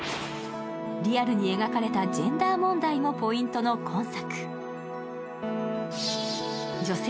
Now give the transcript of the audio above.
リアルに描かれたジェンダー問題もポイントの今作。